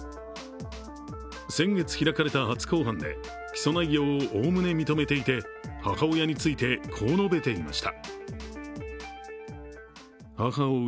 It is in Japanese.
先月開かれた初公判で起訴内容をおおむね認めていて、母親について、こう述べていました。